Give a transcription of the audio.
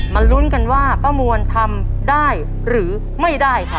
ลุ้นกันว่าป้ามวลทำได้หรือไม่ได้ครับ